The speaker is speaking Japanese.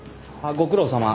ご苦労さま。